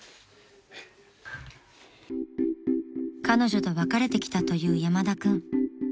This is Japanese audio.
［彼女と別れてきたという山田君］